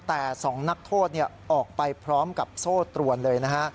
แต่๒นักโทษออกไปพร้อมกับโซ่ตรวนเลยนะฮะ